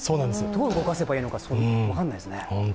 どう動かせばいいのか分からないですね。